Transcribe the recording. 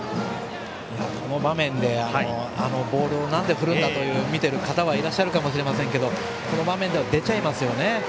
この場面でボールをなんで振るんだと見ている方はいらっしゃるかと思いますがこの場面では出ちゃいますよね。